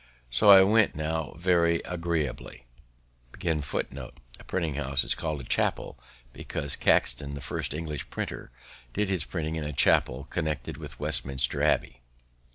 So I went on now very agreeably. A printing house is called a chapel because Caxton, the first English printer, did his printing in a chapel connected with Westminster Abbey.